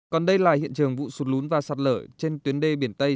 còn đây là hiện trường vụ sụt lún và sạt lở trên tuyến đê biển tây